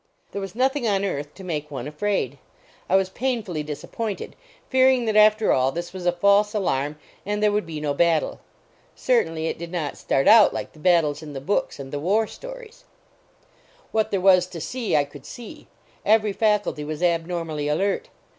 There was nothing on earth to make one afraid. I was painfully disappointed, fearing that after all this was a false alarm and there would be no battle. Certainly it did not start out like the battles in the books and the war storie>. 211 LAUREL AND CYPRESS What there was to see, I could see. Every faculty was abnormally alert.